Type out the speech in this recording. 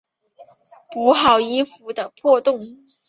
补好衣服的破洞